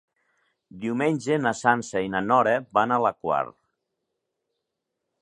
Diumenge na Sança i na Nora van a la Quar.